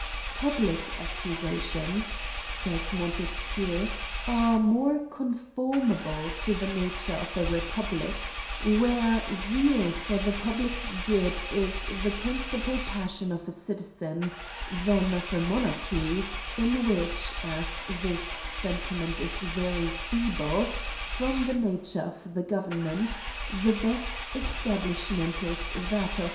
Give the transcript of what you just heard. Public accusations, says Montesqu ieu , are more conformable to the nature of a republic, where zeal for the public good is the principal passion of a citizen^ than of a monarchy, m which, as this sentiment is very feeble, from the nature of the government, the best establishment is that of C6>